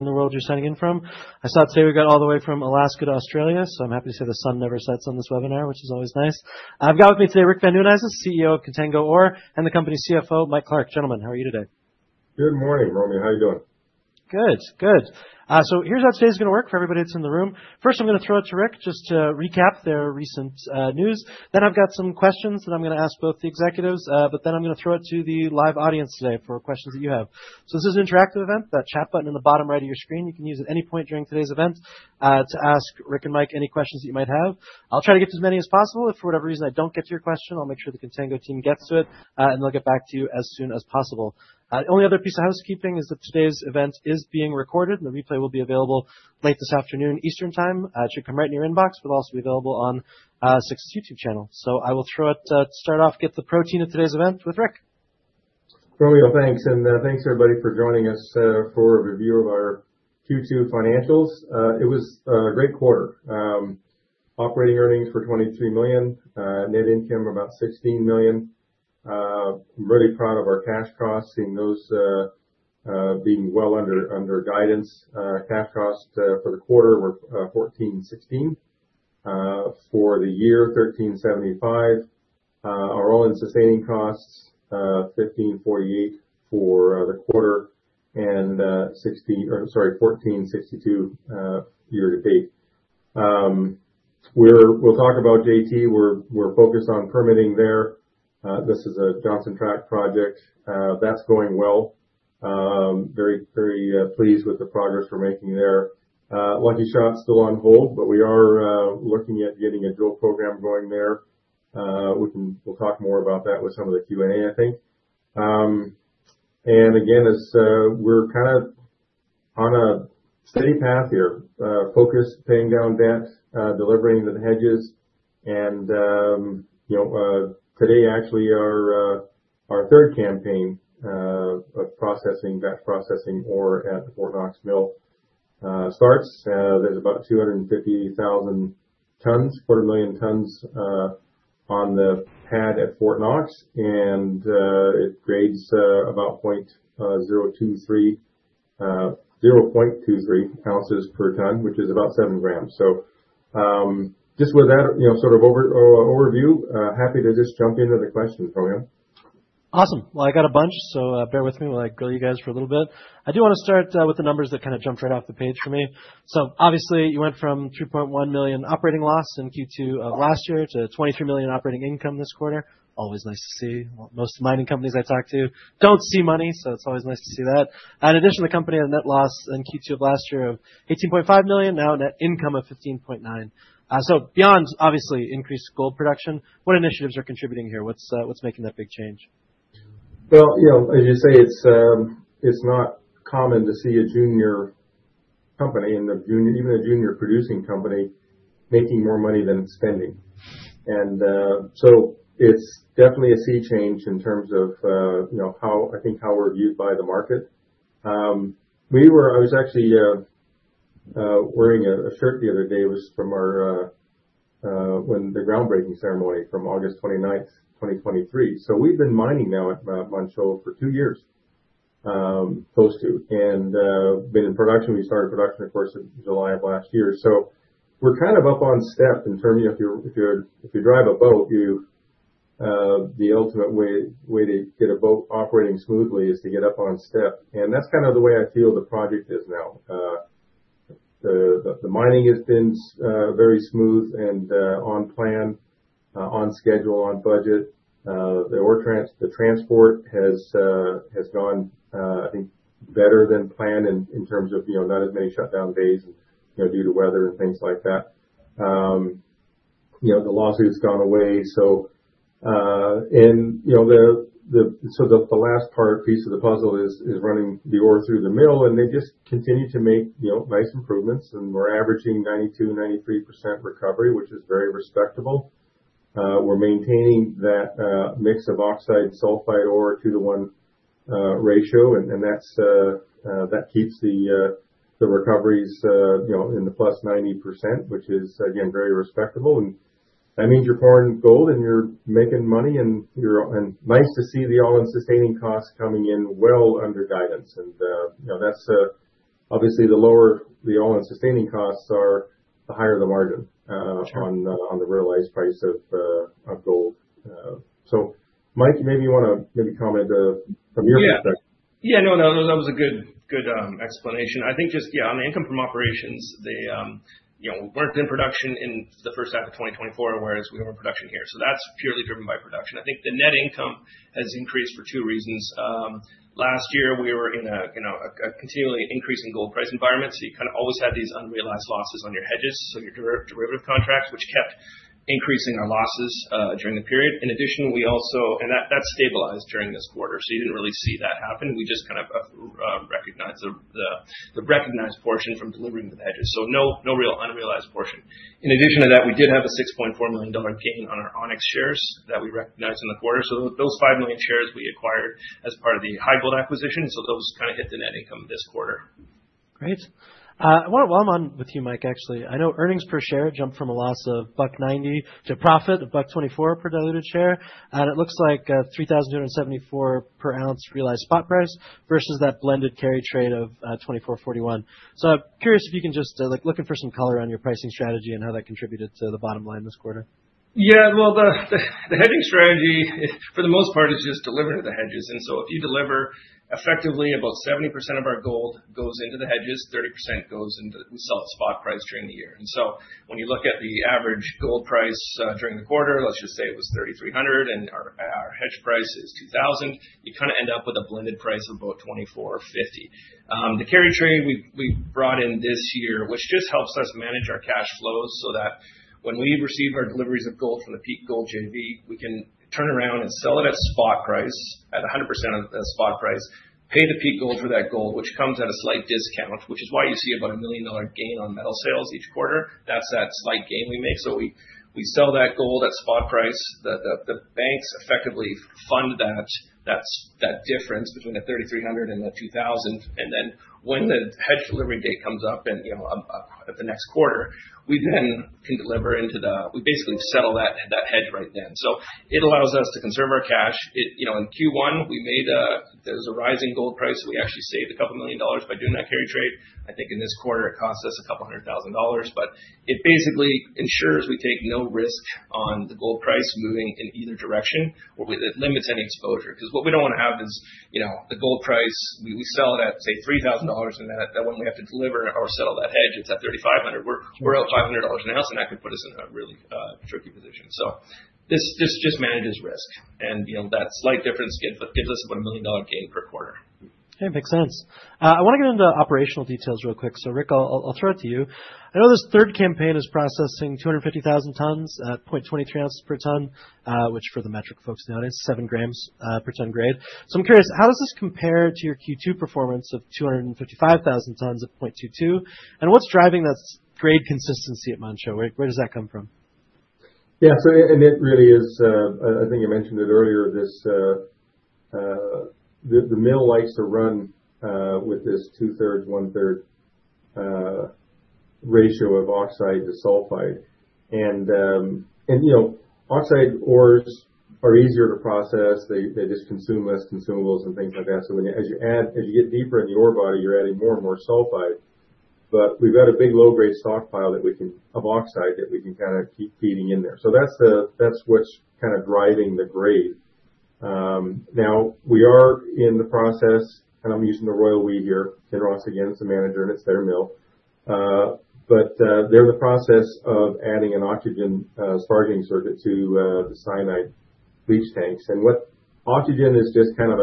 In the world you're signing in from. I saw it today we got all the way from Alaska to Australia, so I'm happy to say the sun never sets on this webinar, which is always nice. I've got with me today Rick Van Nieuwenhuyse, CEO of Contango Ore, and the company's CFO, Mike Clark. Gentlemen, how are you today? Good morning, Romeo. How are you doing? Good, good. Here's how today's going to work for everybody that's in the room. First, I'm going to throw it to Rick just to recap their recent news. Then I've got some questions that I'm going to ask both the executives, but then I'm going to throw it to the live audience today for questions that you have. This is an interactive event. That chat button in the bottom right of your screen you can use at any point during today's event to ask Rick and Mike any questions that you might have. I'll try to get to as many as possible. If for whatever reason I don't get to your question, I'll make sure the Contango Ore team gets to it, and they'll get back to you as soon as possible. The only other piece of housekeeping is that today's event is being recorded, and the replay will be available late this afternoon Eastern Time. It should come right in your inbox, but also be available on 6ix's YouTube channel. I will throw it to start off, get the protein of today's event with Rick. Romeo, thanks. Thanks, everybody, for joining us for a review of our Q2 financials. It was a great quarter. Operating earnings were $23 million, net income about $16 million. I'm really proud of our cash costs, seeing those being well under guidance. Cash costs for the quarter were $14.16. For the year, $13.75. Our all-in sustaining costs, $15.48 for the quarter and $14.62 year to date. We'll talk about JT. We're focused on permitting there. This is a Johnson Tract project. That's going well. Very, very pleased with the progress we're making there. Lucky Shot's still on hold, but we are looking at getting a drill program going there. We'll talk more about that with some of the Q&A, I think. We're kind of on a steady path here. Focus, paying down debts, delivering the hedges. Today, actually, our third campaign of processing, batch processing ore at the Fort Knox mill starts. There's about 250,000 tons, quarter million tons, on the pad at Fort Knox. It grades about 0.23, 0.23 ounces per ton, which is about 7 g. Just with that sort of overview, happy to just jump into the questions, Romeo. Awesome. I got a bunch, so bear with me. We'll grill you guys for a little bit. I do want to start with the numbers that kind of jumped right off the page for me. Obviously, you went from $3.1 million operating loss in Q2 of last year to $23 million operating income this quarter. Always nice to see. Most mining companies I talk to don't see money, so it's always nice to see that. In addition, the company had a net loss in Q2 of last year of $18.5 million, now a net income of $15.9 million. Beyond, obviously, increased gold production, what initiatives are contributing here? What's making that big change? As you say, it's not common to see a junior company, even a junior producing company, making more money than it's spending. It's definitely a sea change in terms of how we're viewed by the market. I was actually wearing a shirt the other day from our groundbreaking ceremony from August 29th, 2023. We've been mining now at Manh Choh for two years, close to, and been in production. We started production, of course, in July of last year. We're kind of up on step in terms of if you drive a boat, the ultimate way to get a boat operating smoothly is to get up on step. That's kind of the way I feel the project is now. The mining has been very smooth and on plan, on schedule, on budget. The transport has gone, I think, better than planned in terms of none of it may shut down days due to weather and things like that. The lawsuit's gone away. The last piece of the puzzle is running the ore through the mill, and they just continue to make nice improvements. We're averaging 92%, 93% recovery, which is very respectable. We're maintaining that mix of oxide and sulfide ore to the one ratio, and that keeps the recoveries in the +90%, which is, again, very respectable. That means you're pouring gold and you're making money, and nice to see the all-in sustaining costs coming in well under guidance. Obviously, the lower the all-in sustaining costs are, the higher the margin on the realized price of gold. Mike, maybe you want to comment from your perspective. Yeah, no, that was a good explanation. I think just, yeah, on the income from operations, you know, we weren't in production in the first half of 2024, whereas we were in production here. That's purely driven by production. I think the net income has increased for two reasons. Last year, we were in a continually increasing gold price environment, so you kind of always had these unrealized losses on your hedges, your derivative contracts, which kept increasing our losses during the period. In addition, that stabilized during this quarter, so you didn't really see that happen. We just kind of recognized the recognized portion from delivering the hedges, so no real unrealized portion. In addition to that, we did have a $6.4 million gain on our Onyx shares that we recognized in the quarter. Those 5 million shares we acquired as part of the HighGold acquisition, so those kind of hit the net income this quarter. Great. While I'm on with you, Mike, actually, I know earnings per share jumped from a loss of $1.90 to a profit of $1.24 per diluted share, and it looks like $3,274 per ounce realized spot price versus that blended carry trade of $2,441. I'm curious if you can just looking for some color on your pricing strategy and how that contributed to the bottom line this quarter. Yeah, the hedging strategy, for the most part, is just delivering the hedges. If you deliver effectively, about 70% of our gold goes into the hedges, 30% we sell at spot price during the year. When you look at the average gold price during the quarter, let's just say it was $3,300 and our hedge price is $2,000, you kind of end up with a blended price of about $2,450. The carry trade we brought in this year just helps us manage our cash flows, so that when we receive our deliveries of gold from the Peak Gold JV, we can turn around and sell it at spot price, at 100% of the spot price, pay the Peak Gold for that gold, which comes at a slight discount, which is why you see about a $1 million gain on metal sales each quarter. That's that slight gain we make. We sell that gold at spot price. The banks effectively fund that difference between the $3,300 and the $2,000. When the hedge delivery date comes up, at the next quarter, we then can deliver into the, we basically sell that hedge right then. It allows us to conserve our cash. In Q1, there was a rising gold price, so we actually saved a couple million dollars by doing that carry trade. I think in this quarter, it costs us a couple hundred thousand dollars, but it basically ensures we take no risk on the gold price moving in either direction, or it limits any exposure. What we don't want to have is the gold price, we sell it at, say, $3,000, and when we have to deliver or sell that hedge, it's at $3,500. We're at $500 an ounce, and that could put us in a really tricky position. This just manages risk. That slight difference gives us about a $1 million gain per quarter. It makes sense. I want to get into the operational details real quick. Rick, I'll throw it to you. I know this third campaign is processing 250,000 tons at 0.23 ounces per ton, which for the metric folks is 7 g/ton grade. I'm curious, how does this compare to your Q2 performance of 255,000 tons at 0.22? What's driving that grade consistency at Manh Choh? Where does that come from? Yeah, so it really is, I think you mentioned it earlier, the mill likes to run with this 2/3, 1/3 ratio of oxide to sulfide. You know, oxide ores are easier to process. They just consume less consumables and things like that. As you add, as you get deeper in the ore body, you're adding more and more sulfide. We've got a big low-grade stockpile of oxide that we can kind of keep feeding in there. That's what's kind of driving the grade. Now we are in the process, and I'm using the royal "we" here, Kinross again is the manager, and it's their mill. They're in the process of adding an oxygen sparging circuit to the cyanide leach tanks. Oxygen just kind of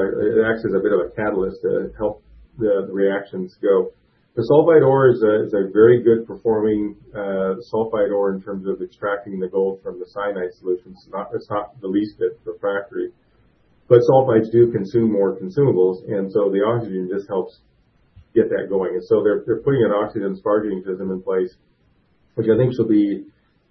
acts as a bit of a catalyst to help the reactions go. The sulfide ore is a very good performing sulfide ore in terms of extracting the gold from the cyanide solution. It's not the least bit refractory. Sulfides do consume more consumables, and the oxygen just helps get that going. They're putting an oxygen sparging system in place, which I think should be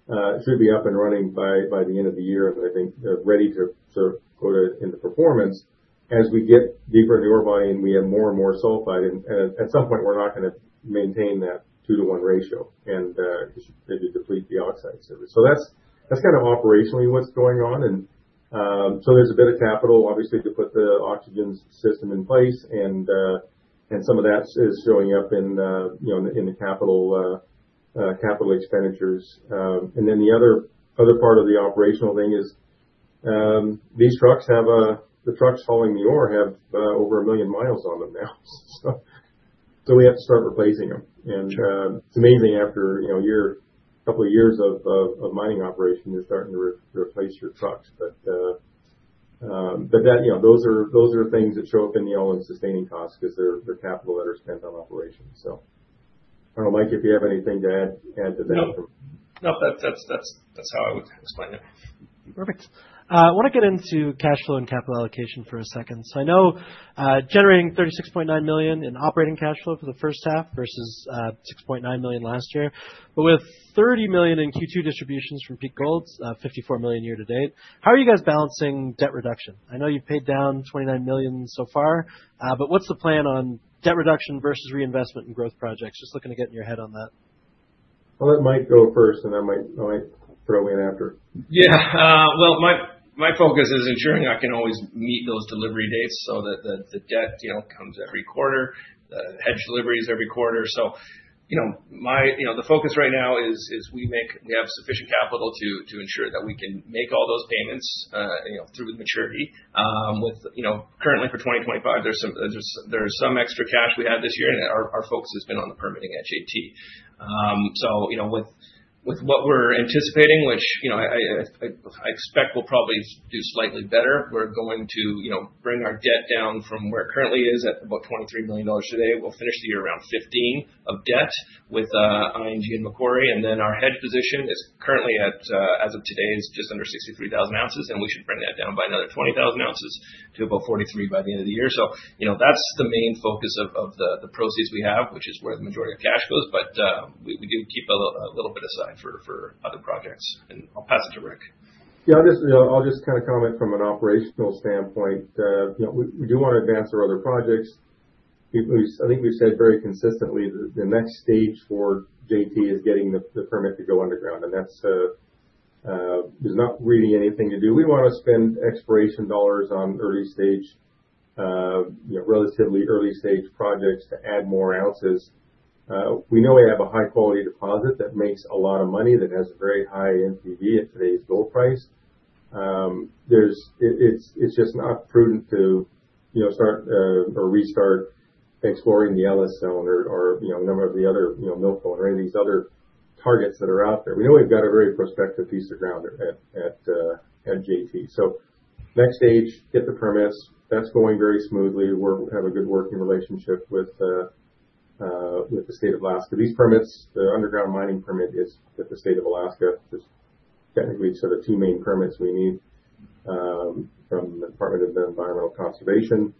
up and running by the end of the year, and I think they're ready to go to in the performance. As we get deeper in the ore body, we have more and more sulfide, and at some point, we're not going to maintain that two-to-one ratio, and it should be complete, the oxide service. That's kind of operationally what's going on. There's a bit of capital, obviously, to put the oxygen system in place, and some of that is showing up in the capital expenditures. The other part of the operational thing is these trucks hauling the ore have over a million miles on them now. We have to start replacing them. It's amazing after a couple of years of mining operation, you're starting to replace your trucks. Those are things that show up in the all-in sustaining cost because they're the capital that are spent on operations. I don't know, Mike, if you have anything to add to that. No, that's how I would explain it. Perfect. I want to get into cash flow and capital allocation for a second. I know generating $36.9 million in operating cash flow for the first half versus $6.9 million last year, but with $30 million in Q2 distributions from Peak Gold, $54 million year to date, how are you guys balancing debt reduction? I know you've paid down $29 million so far, but what's the plan on debt reduction versus reinvestment and growth projects? Just looking to get in your head on that. I'll let Mike go first, and I might throw in after. Yeah, my focus is ensuring I can always meet those delivery dates so that the debt comes every quarter, the hedge deliveries every quarter. The focus right now is we make sure we have sufficient capital to ensure that we can make all those payments through the maturity. Currently, for 2025, there's some extra cash we have this year, and our focus has been on the permitting at JT. With what we're anticipating, which I expect we'll probably do slightly better, we're going to bring our debt down from where it currently is at about $23 million today. We'll finish the year around $15 million of debt with ING and Macquarie. Our hedge position is currently at, as of today, just under 63,000 ounces, and we should bring that down by another 20,000 ounces to about 43,000 ounces by the end of the year. That's the main focus of the proceeds we have, which is where the majority of cash goes, but we do keep a little bit aside for other projects. I'll pass it to Rick. Yeah. I'll just kind of comment from an operational standpoint. We do want to advance our other projects. I think we've said very consistently that the next stage for JT is getting the permit to go underground, and that's not really anything to do. We want to spend exploration dollars on early stage, relatively early stage projects to add more ounces. We know we have a high-quality deposit that makes a lot of money that has a very high NPV at today's gold price. It's just not prudent to start or restart exploring the Ellis Zone or a number of the other, you know, any of these other targets that are out there. We know we've got a very prospective piece of ground at JT. Next stage, get the permits. That's going very smoothly. We have a good working relationship with the state of Alaska. These permits, the underground mining permit is at the state of Alaska. It's technically sort of two main permits we need from the Department of Environmental Conservation.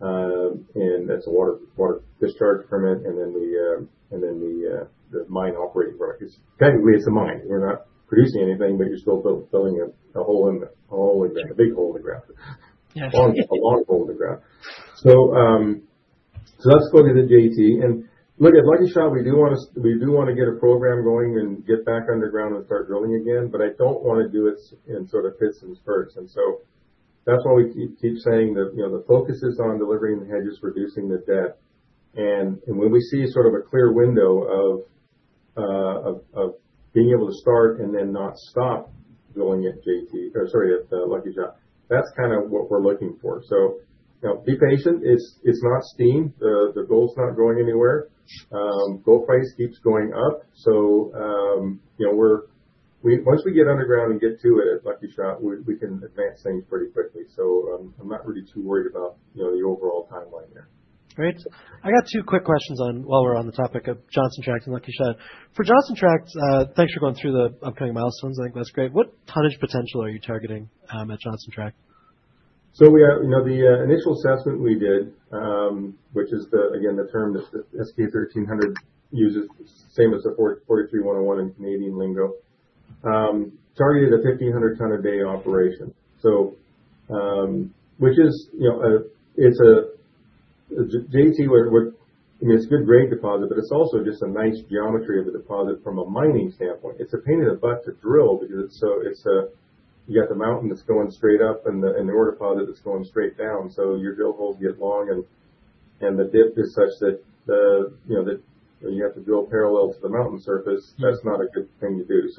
That's a water discharge permit and then the mine operating road. It's technically a mine. You're not producing anything, but you're still building a hole in the ground, a big hole in the ground. Yeah, a large hole in the ground. That's going to the JT. Like I said, we do want to get a program going and get back underground and start drilling again, but I don't want to do it in sort of fits and spurts. That is why we keep saying that the focus is on delivering the hedges, reducing the debt. When we see a clear window of being able to start and then not stop going at Lucky Shot, that's kind of what we're looking for. Be patient. It's not steam. The gold's not going anywhere. Gold price keeps going up. Once we get underground and get to it at Lucky Shot, we can advance things pretty quickly. I'm not really too worried about the overall timeline there. Great. I got two quick questions while we're on the topic of Johnson Tract and Lucky Shot. For Johnson Tract, thanks for going through the upcoming milestones. I think that's great. What tonnage potential are you targeting at Johnson Tract? The initial assessment we did, which is the term that the S-K 1300 uses, the same as the 43-101 in Canadian lingo, targeted a 1,500-ton daily operation. It's a JT, what I mean, it's a good grade deposit, but it's also just a nice geometry of the deposit from a mining standpoint. It's a pain in the butt to drill because you have the mountain that's going straight up and the ore deposit that's going straight down. Your drill holes get long and the depth is such that you have to drill parallel to the mountain surface. That's not a good thing to do.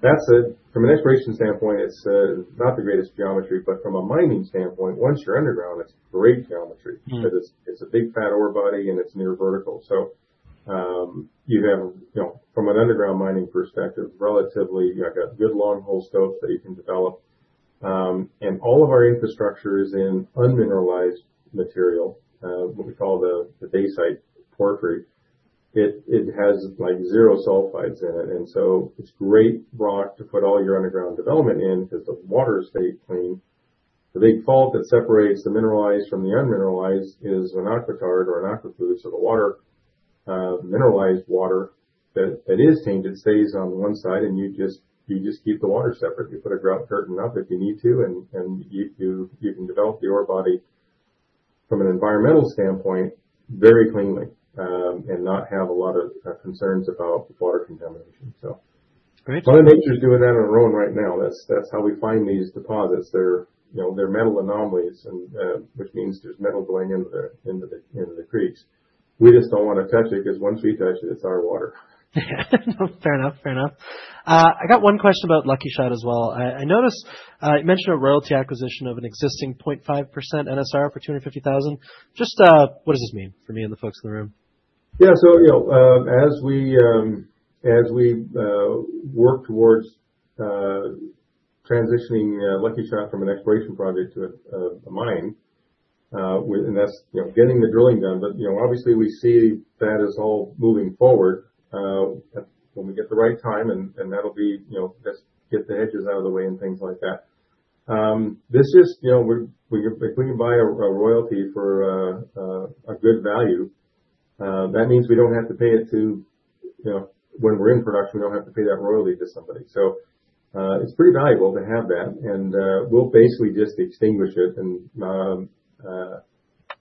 From an exploration standpoint, it's not the greatest geometry, but from a mining standpoint, once you're underground, it's great geometry. It's a big fat ore body and it's near vertical. You have, from an underground mining perspective, relatively, I've got good long hole stopes that you can develop. All of our infrastructure is in unmineralized material, what we call the basalt porphyry. It has like zero sulfides in it, so it's great rock to put all your underground development in because the water is very clean. The big fault that separates the mineralized from the unmineralized is an aquitard or an aquiclude. The mineralized water that is tainted stays on one side and you just keep the water separate. You put a grout curtain up if you need to and you can develop the ore body from an environmental standpoint very cleanly and not have a lot of concerns about water contamination. Mother Nature's doing that on her own right now. That's how we find these deposits. They're metal anomalies, which means there's metal going into the creeks. We just don't want to touch it because once we touch it, it's our water. Yeah, no, fair enough, fair enough. I got one question about Lucky Shot as well. I noticed you mentioned a royalty acquisition of an existing 0.5% NSR for $250,000. Just what does this mean for me and the folks in the room? Yeah, as we work towards transitioning Lucky Shot from an exploration project to a mine, that's getting the drilling done. Obviously, we see that as all moving forward when we get the right time and that'll be just get the hedges out of the way and things like that. If we can buy a royalty for a good value, that means we don't have to pay it to, when we're in production, we don't have to pay that royalty to somebody. It's pretty valuable to have that and we'll basically just extinguish it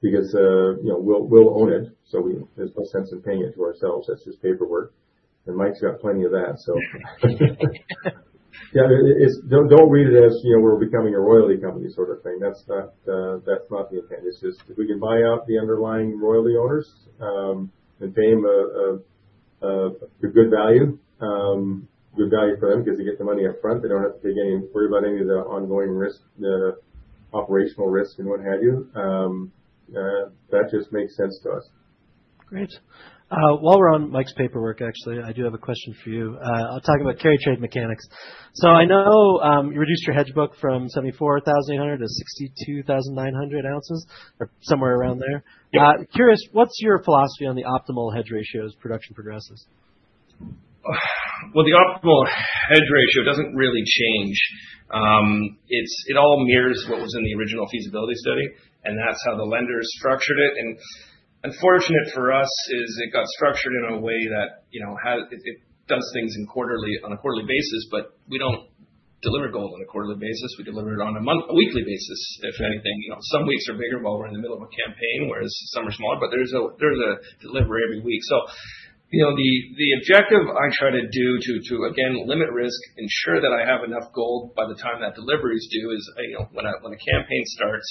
because we'll own it. There's no sense in paying it to ourselves. That's just paperwork and Mike's got plenty of that. Don't read it as we're becoming a royalty company sort of thing. That's not the intent. It's just if we can buy up the underlying royalty owners and pay them a good value, good value for them because they get the money up front. They're not getting worried about any of the ongoing risk, the operational risk and what have you. That just makes sense to us. Great. While we're on Mike's paperwork, actually, I do have a question for you. I'll talk about carry trade mechanics. I know you reduced your hedge book from 74,800 ounces to 62,900 ounces, somewhere around there. Curious, what's your philosophy on the optimal hedge ratio as production progresses? The optimal hedge ratio doesn't really change. It all mirrors what was in the original feasibility study and that's how the lenders structured it. Unfortunately for us, it got structured in a way that does things on a quarterly basis, but we don't deliver gold on a quarterly basis. We deliver it on a monthly, a weekly basis, if anything. Some weeks are bigger while we're in the middle of a campaign, whereas some are smaller, but there's a delivery every week. The objective I try to do to, again, limit risk, ensure that I have enough gold by the time that delivery is due, is when a campaign starts,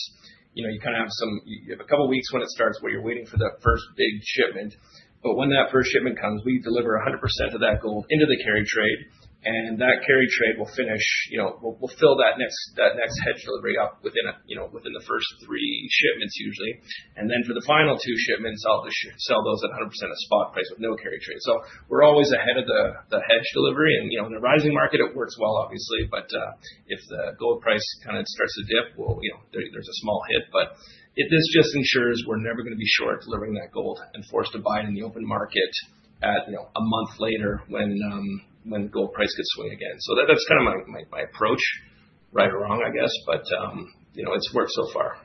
you kind of have some, you have a couple of weeks when it starts where you're waiting for that first big shipment. When that first shipment comes, we deliver 100% of that gold into the carry trade. That carry trade will finish, we'll fill that next hedge delivery up within the first three shipments usually. For the final two shipments, I'll sell those at 100% of spot price with no carry trade. We're always ahead of the hedge delivery. In the rising market, it works well, obviously. If the gold price kind of starts to dip, there's a small hit. This just ensures we're never going to be short delivering that gold and forced to buy it in the open market a month later when gold price gets swaying again. That's kind of my approach, right or wrong, I guess. It's worked so far.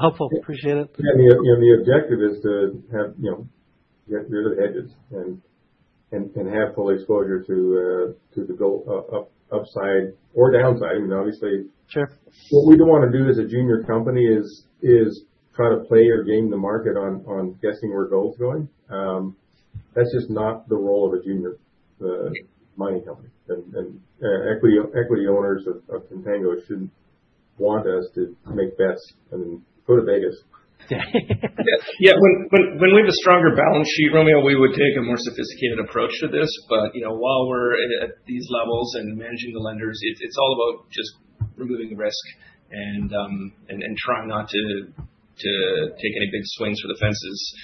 Helpful. Appreciate it. The objective is to have, you know, get rid of the hedges and have full exposure to the gold upside or downside. Obviously, what we don't want to do as a junior company is try to play or game the market on guessing where gold's going. That's just not the role of a junior mining company. Equity owners of Contango shouldn't want us to make bets and go to Vegas. Yeah, when we have a stronger balance sheet, Romeo, we would take a more sophisticated approach to this. While we're at these levels and managing the lenders, it's all about just removing the risk and trying not to take any big swings for the fences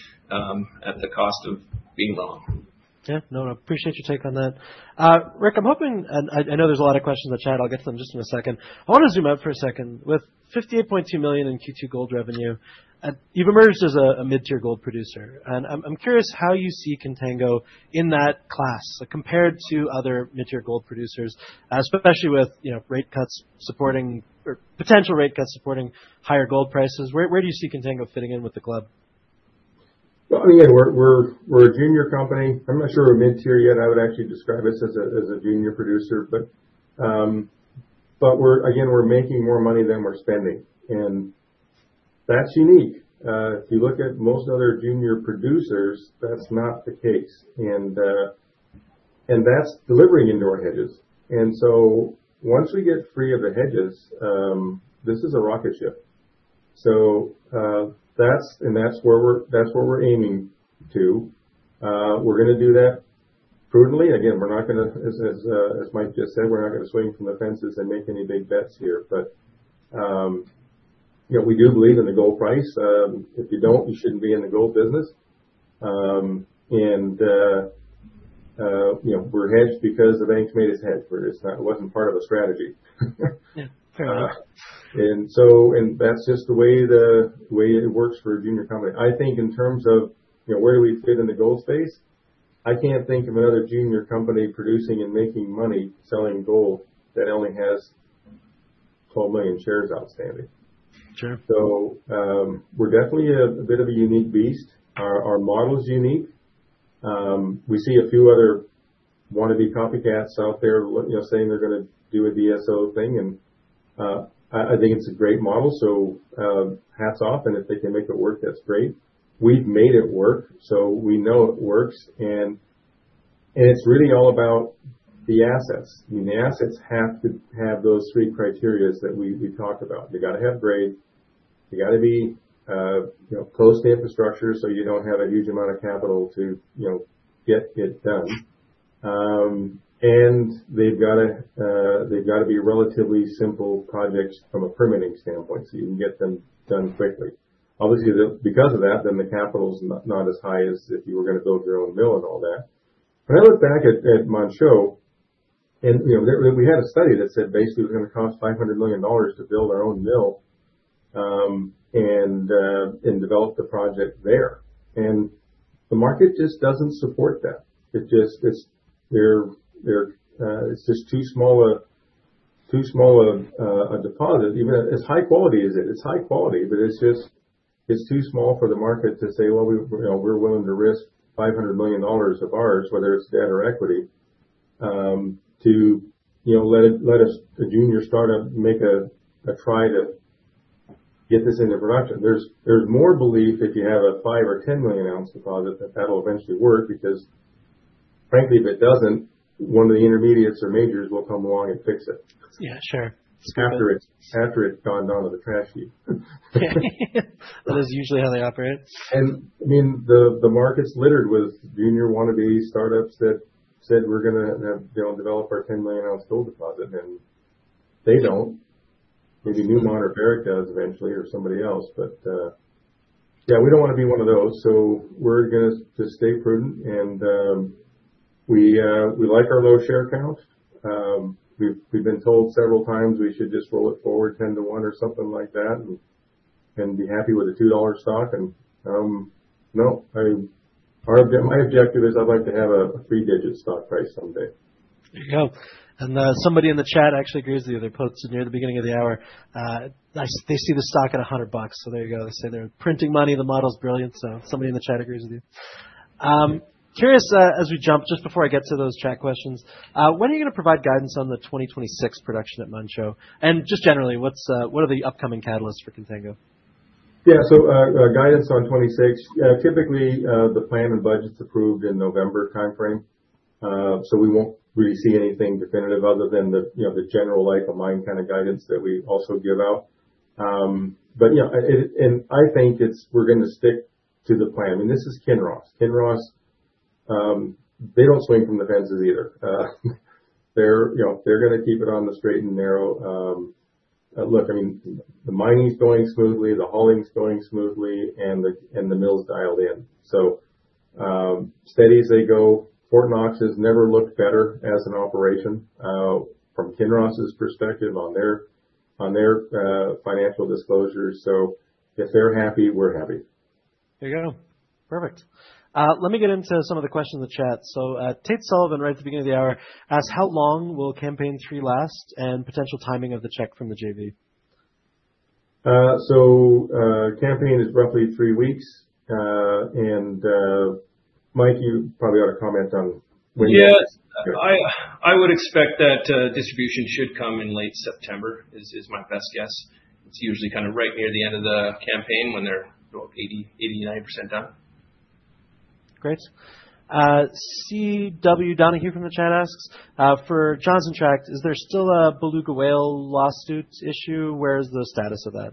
at the cost of being wrong. Yeah. No, I appreciate your on that. Rick, I'm hoping, and I know there's a lot of questions in the chat. I'll get to them just in a second. I want to zoom out for a second. With $58.2 million in Q2 gold revenue, you've emerged as a mid-tier gold producer. I'm curious how you see Contango in that class, compared to other mid-tier gold producers, especially with, you know, rate cuts supporting or potential rate cuts supporting higher gold prices. Where do you see Contango fitting in with the club? I mean, again, we're a junior company. I'm not sure we're mid-tier yet. I would actually describe us as a junior producer. Again, we're making more money than we're spending, and that's unique. If you look at most other junior producers, that's not the case. That's delivering into our hedges. Once we get free of the hedges, this is a rocket ship. That's where we're aiming to. We're going to do that prudently. We're not going to, as Mike just said, we're not going to swing for the fences and make any big bets here. You know, we do believe in the gold price. If you don't, you shouldn't be in the gold business. We're hedged because the banks made us hedge. It wasn't part of a strategy. That's just the way it works for a junior company. I think in terms of where do we fit in the gold space, I can't think of another junior company producing and making money selling gold that only has 12 million shares outstanding. Sure. We're definitely a bit of a unique beast. Our model is unique. We see a few other wannabe copycats out there saying they're going to do a DSO thing. I think it's a great model, so hats off. If they can make it work, that's great. We've made it work, so we know it works. It's really all about the assets. The assets have to have those three criteria that we talked about. They've got to have grade. They've got to be close to infrastructure so you don't have a huge amount of capital to get it done. They've got to be relatively simple projects from a permitting standpoint so you can get them done quickly. Obviously, because of that, the capital is not as high as if you were going to build your own mill and all that. I look back at Manh Choh and we had a study that said basically it was going to cost $500 million to build our own mill and develop the project there. The market just doesn't support that. It's just too small of a deposit. Even as high quality as it is, it's high quality, but it's just too small for the market to say, you know, we're willing to risk $500 million of ours, whether it's debt or equity, to let us, a junior startup, make a try to get this into production. There's more belief that you have a five or ten million ounce deposit that that will eventually work because, frankly, if it doesn't, one of the intermediates or majors will come along and fix it. Yeah, sure. After it's gone down to the trash heap. That is usually how they operate it. The market's littered with junior wannabe startups that said we're going to develop our 10 million ounce gold deposit, and they don't. Maybe Newmont or Barrick does eventually or somebody else. We don't want to be one of those. We're going to just stay prudent, and we like our low share count. We've been told several times we should just roll it forward 10 to 1 or something like that and be happy with a $2 stock. No, my objective is I'd like to have a three-digit stock price someday. There you go. Somebody in the chat actually agrees with you. They're near the beginning of the hour. They see the stock at $100. There you go. They say they're printing money. The model's brilliant. Somebody in the chat agrees with you. Curious, as we jump, just before I get to those chat questions, when are you going to provide guidance on the 2026 production at Manh Choh? Just generally, what are the upcoming catalysts for Contango? Yeah, so, guidance on 2026, typically the plan and budget's approved in November timeframe. We won't really see anything definitive other than the general life of mine kind of guidance that we also give out. I think we're going to stick to the plan. I mean, this is Kinross. Kinross, they don't swing for the fences either. They're going to keep it on the straight and narrow. Look, I mean, the mining's going smoothly, the hauling's going smoothly, and the mill's dialed in. Steady as they go, Fort Knox has never looked better as an operation from Kinross' perspective on their financial disclosures. If they're happy, we're happy. There you go. Perfect. Let me get into some of the questions in the chat. Tate Sullivan right at the beginning of the hour asked, how long will campaign three last and potential timing of the check from the JV? Campaign is roughly three weeks. Mike, you probably have a comment on when you... Yeah, I would expect that distribution should come in late September is my best guess. It's usually kind of right near the end of the campaign when they're 80%, 89% done. Great. CW Donahue from the chat asks, for Johnson Tract, is there still a Beluga Whale lawsuit issue? Where is the status of that?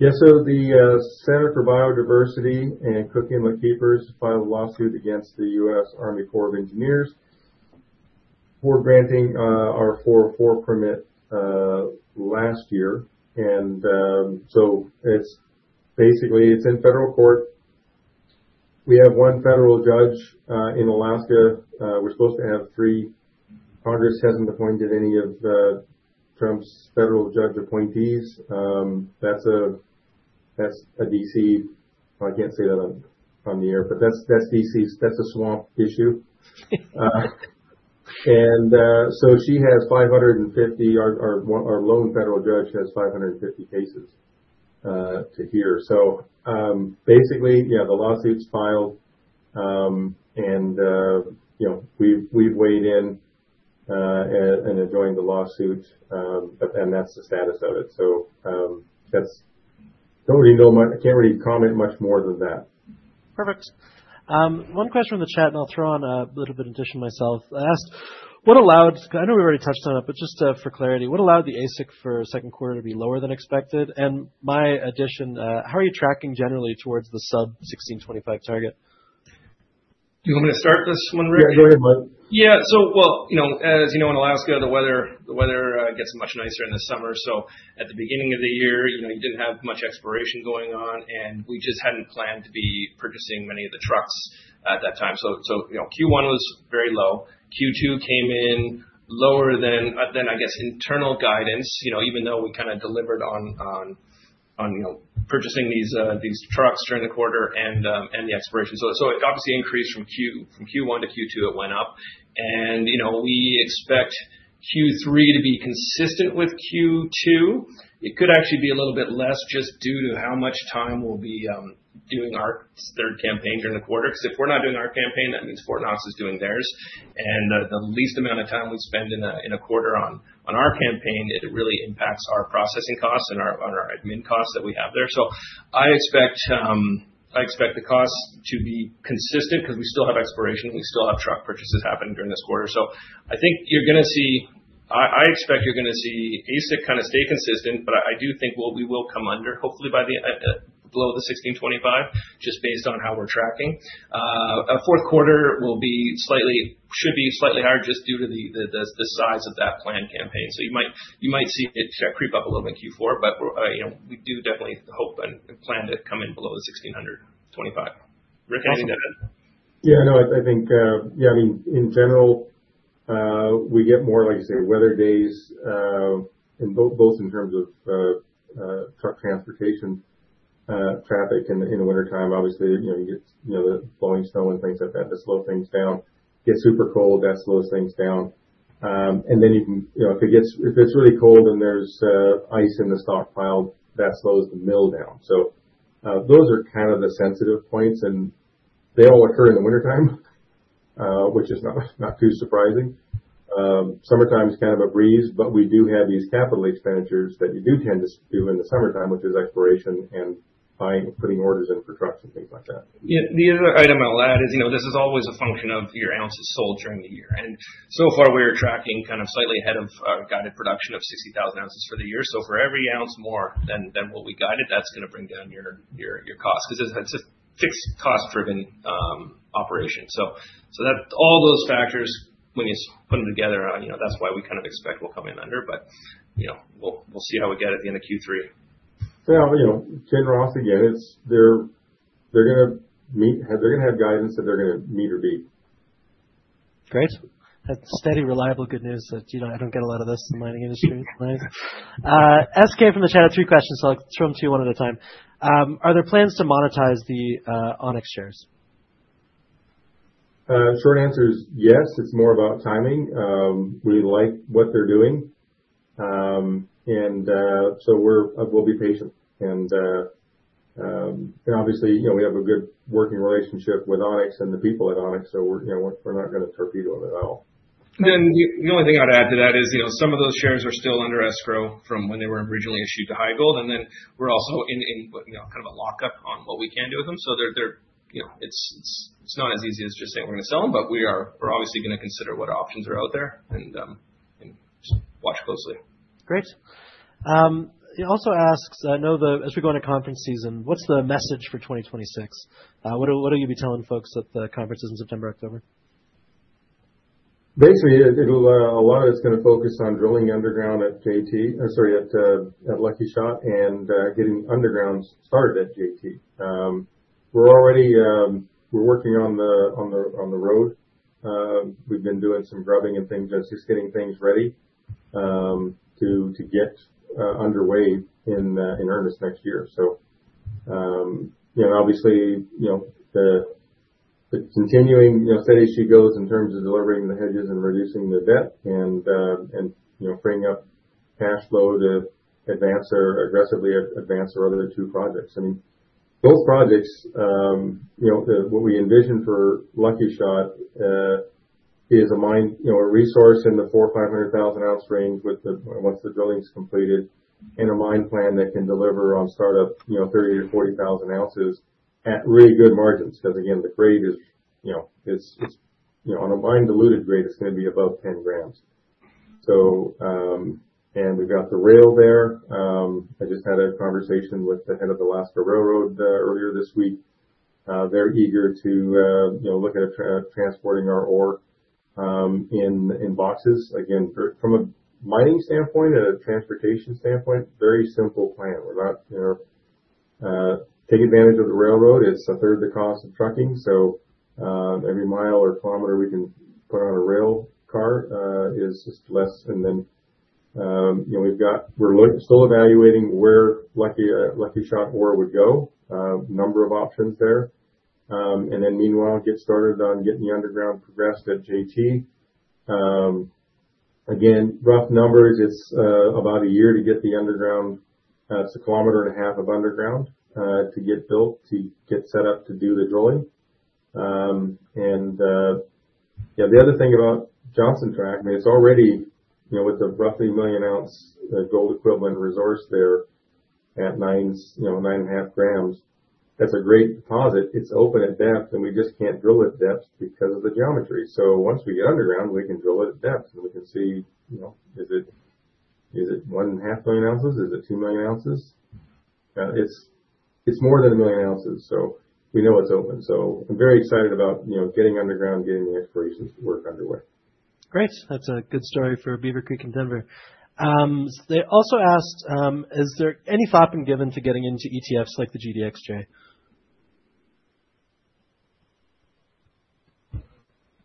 Yeah, so the Center for Biodiversity and Cook Inletkeepers filed a lawsuit against the U.S. Army Corps of Engineers for granting our 404 permit last year. It's basically in federal court. We have one federal judge in Alaska. We're supposed to have three. Congress hasn't appointed any of Trump's federal judge appointees. That's a D.C., I can't say that on the air, but that's a swamp issue. She has 550, our lone federal judge has 550 cases to hear. The lawsuit's filed and we've weighed in and adjoined the lawsuit. That's the status of it. I don't really know much, I can't really comment much more than that. Perfect. One question from the chat, and I'll throw on a little bit of addition myself. I asked, what allowed, I know we already touched on it, but just for clarity, what allowed the AISC for second quarter to be lower than expected? My addition, how are you tracking generally towards the sub $1,625 target? Do you want me to start this one, Rick? Yeah, go ahead, Mike. Yeah, as you know, in Alaska, the weather gets much nicer in the summer. At the beginning of the year, you didn't have much exploration going on, and we just hadn't planned to be purchasing many of the trucks at that time. Q1 was very low. Q2 came in lower than, I guess, internal guidance, even though we kind of delivered on purchasing these trucks during the quarter and the exploration. It obviously increased from Q1 to Q2, it went up. We expect Q3 to be consistent with Q2. It could actually be a little bit less just due to how much time we'll be doing our third campaign during the quarter. If we're not doing our campaign, that means Fort Knox is doing theirs. The least amount of time we spend in a quarter on our campaign, it really impacts our processing costs and our admin costs that we have there. I expect the costs to be consistent because we still have exploration and we still have truck purchases happening during this quarter. I think you're going to see, I expect you're going to see AISC kind of stay consistent, but I do think we will come under, hopefully, below the $1,625, just based on how we're tracking. A fourth quarter will be slightly, should be slightly higher just due to the size of that planned campaign. You might see it creep up a little bit in Q4, but we do definitely hope and plan to come in below the $1,625. Rick, anything to add? Yeah, no, I think, yeah, I mean, in general, we get more, like you said, weather days, and both in terms of truck transportation, traffic in the wintertime, obviously, you know, you get the blowing snow and things like that, that slows things down. Gets super cold, that slows things down. Even, you know, if it gets really cold and there's ice in the stockpile, that slows the mill down. Those are kind of the sensitive points, and they all occur in the wintertime, which is not too surprising. Summertime's kind of a breeze, but we do have these capital expenditures that you do tend to do in the summertime, which is exploration and buying, putting orders in for trucks and things like that. The other item I'll add is, you know, this is always a function of your ounces sold during the year. So far, we're tracking kind of slightly ahead of our guided production of 60,000 ounces for the year. For every ounce more than what we guided, that's going to bring down your cost because it's a fixed cost-driven operation. All those factors, when you put them together, that's why we kind of expect we'll come in under. We'll see how we get it at the end of Q3. You know, Kinross, again, they're going to have guidance that they're going to meet or beat. Great. That's steady, reliable good news that, you know, I don't get a lot of this in the mining industry. SK from the chat, three questions, so I'll throw them to you one at a time. Are there plans to monetize the Onyx shares? Short answer is yes. It's more about timing. We like what they're doing, so we'll be patient. Obviously, you know, we have a good working relationship with Onyx and the people at Onyx, so we're not going to torpedo them at all. The only thing I'd add to that is, you know, some of those shares are still under escrow from when they were originally issued to HighGold. We're also in a kind of a lockup on what we can do with them. It's not as easy as just saying we're going to sell them, but we are obviously going to consider what options are out there and watch closely. Great. He also asks, I know that as we go into conference season, what's the message for 2026? What will you be telling folks at the conferences in September, October? Basically, a lot of it's going to focus on drilling underground at Lucky Shot and getting underground started at JT. We're already working on the road. We've been doing some grubbing and things, just getting things ready to get underway in earnest next year. Obviously, the continuing steady issue goes in terms of delivering the hedges and reducing the debt and bringing up cash flow to advance or aggressively advance our other two projects. I mean, both projects, what we envision for Lucky Shot is a mine, a resource in the 400,000-500,000 ounce range with the, once the drilling's completed, and a mine plan that can deliver on startup 30,000-40,000 ounces at really good margins because, again, the grade is, on a mine-diluted grade, it's going to be above 10 g. We've got the rail there. I just had a conversation with the head of the Alaska Railroad earlier this week. They're eager to look at transporting our ore in boxes. From a mining standpoint, a transportation standpoint, very simple plan. We're not going to take advantage of the railroad. It's a third of the cost of trucking. Every mile or kilometer we can put on a rail cart is just less. We've got, we're still evaluating where Lucky Shot ore would go, a number of options there. Meanwhile, get started on getting the underground progressed at JT. Rough numbers, it's about a year to get the underground. It's a kilometer and a half of underground to get built, to get set up to do the drilling. The other thing about Johnson Tract, it's already, with a roughly million ounce gold equivalent resource there at nine, 9.5 g, that's a great deposit. It's open at depth and we just can't drill at depth because of the geometry. Once we get underground, we can drill it at depth and we can see, is it 1.5 million ounces? Is it 2 million ounces? It's more than 1 million ounces. We know it's open. I'm very excited about getting underground, getting the explorations to work underway. Great. That's a good story for Beaver Creek in Denver. They also asked, is there any planning given to getting into ETFs like the GDXJ?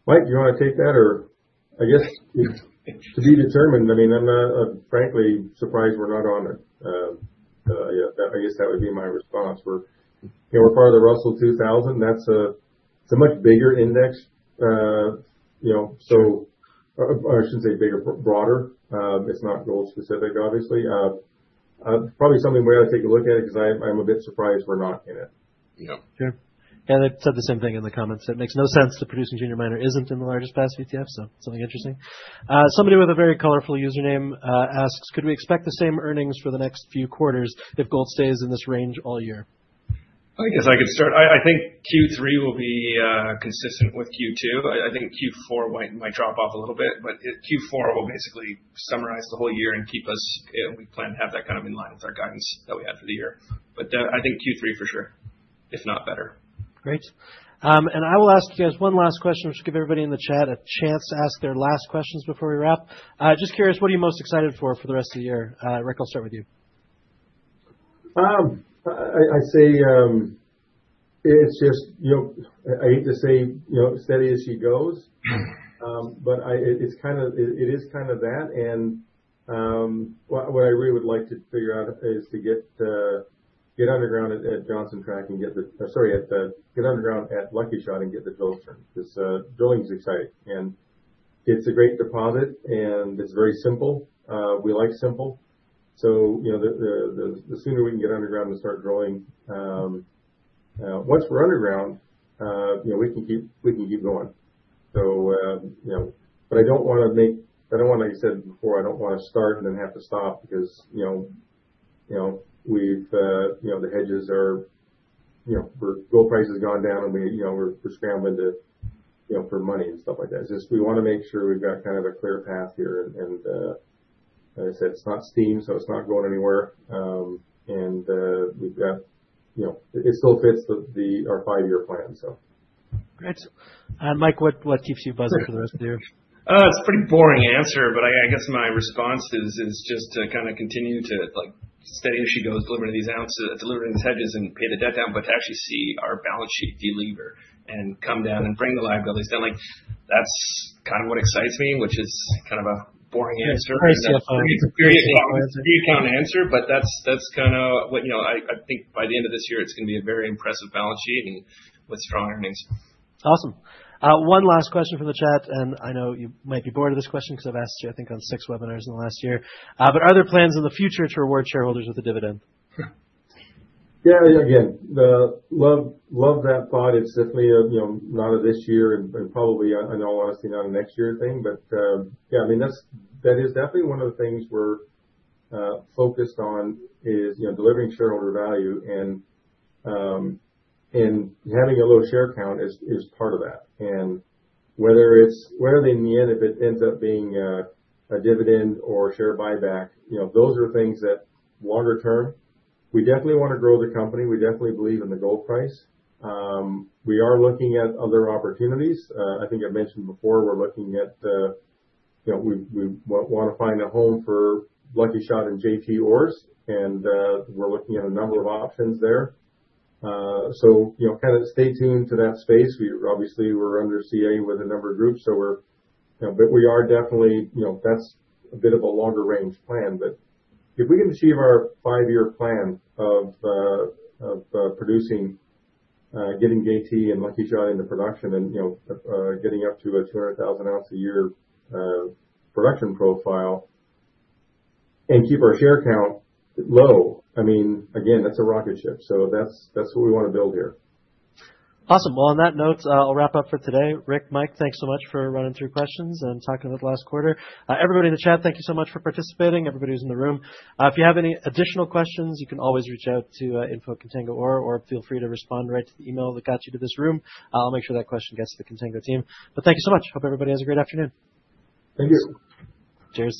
Mike, you want to take that? I guess it's to be determined. I'm not frankly surprised we're not on it. I guess that would be my response. We're farther than Russell 2000. That's a much bigger index. I shouldn't say bigger, broader. It's not gold specific, obviously. Probably something we ought to take a look at because I'm a bit surprised we're not in it. Okay. I said the same thing in the comments. It makes no sense to produce a junior miner who isn't in the largest passive ETF. Something interesting. Somebody with a very colorful username asks, could we expect the same earnings for the next few quarters if gold stays in this range all year? I guess I could start. I think Q3 will be consistent with Q2. I think Q4 might drop off a little bit. Q4 will basically summarize the whole year and keep us, and we plan to have that kind of in line with our guidance that we had for the year. I think Q3 for sure is not better. Great. I will ask you guys one last question. I'll just give everybody in the chat a chance to ask their last questions before we wrap. Just curious, what are you most excited for for the rest of the year? Rick, I'll start with you. I'd say it's just, you know, I hate to say, you know, steady as she goes, but it is kind of that. What I really would like to figure out is to get underground at Johnson Tract and get the, sorry, get underground at Lucky Shot and get the gold started because drilling's exciting. It's a great deposit and it's very simple. We like simple. The sooner we can get underground and start drilling, once we're underground, we can keep going. I don't want to make, I don't want to, like I said before, I don't want to start and then have to stop because, you know, the hedges are, you know, gold price has gone down and we're just scrambling for money and stuff like that. We want to make sure we've got kind of a clear path here. As I said, it's not steam, so it's not going anywhere, and we've got, you know, it still fits our five-year plan. Great. Mike, what keeps you buzzing for the rest of the year? It's a pretty boring answer, but I guess my response is just to kind of continue to like steady as she goes, delivering these ounces, delivering these hedges, and pay the debt down, to actually see our balance sheet delever and come down and bring the liability to the state. Like, that's kind of what excites me, which is kind of a boring answer. Very simple. It's a very simple answer. It's a decount answer, but that's kind of what, you know, I think by the end of this year, it's going to be a very impressive balance sheet with strong earnings. Awesome. One last question from the chat, and I know you might be bored of this question because I've asked you, I think, on six webinars in the last year, but are there plans in the future to reward shareholders with a dividend? Yeah, again, I love that thought. It's definitely, you know, not of this year and probably in all honesty, not a next year thing, but yeah, I mean, that is definitely one of the things we're focused on is, you know, delivering shareholder value and having a low share count is part of that. Whether it ends up being a dividend or share buyback, those are things that longer term, we definitely want to grow the company. We definitely believe in the gold price. We are looking at other opportunities. I think I've mentioned before, we're looking at the, you know, we want to find a home for Lucky Shot and JT Ores, and we're looking at a number of options there. Kind of stay tuned to that space. Obviously, we're under CA with a number of groups, but we are definitely, you know, that's a bit of a longer range plan. If we can achieve our five-year plan of producing, getting JT and Lucky Shot into production and, you know, getting up to a 200,000 ounce a year production profile and keep our share count low, I mean, again, that's a rocket ship. That's what we want to build here. Awesome. On that note, I'll wrap up for today. Rick, Mike, thanks so much for running through questions and talking about the last quarter. Everybody in the chat, thank you so much for participating. Everybody who's in the room, if you have any additional questions, you can always reach out to info@contango.org or feel free to respond right to the email that got you to this room. I'll make sure that question gets to the Contango team. Thank you so much. Hope everybody has a great afternoon. Thank you. Cheers.